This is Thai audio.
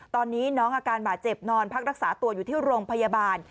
ตอนนี้น้องอาการบาดเจ็บนอนพักรักษาตัวอยู่ที่โรงพยาบาล